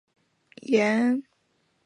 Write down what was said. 岩上珠为茜草科岩上珠属下的一个种。